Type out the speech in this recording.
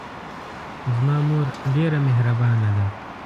زما مور ډېره محربانه ده